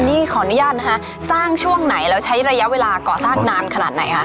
นี่ขออนุญาตนะคะสร้างช่วงไหนแล้วใช้ระยะเวลาก่อสร้างนานขนาดไหนคะ